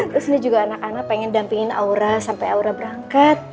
terus ini juga anak anak pengen dampingin aura sampai aura berangkat